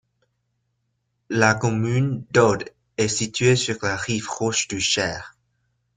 La commune d'Audes est située sur la rive gauche du Cher.